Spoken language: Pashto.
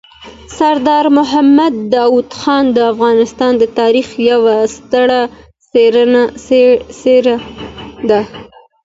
سردار محمد داود خان د افغانستان د تاریخ یو ستره څېره ده.